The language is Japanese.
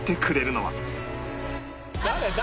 誰？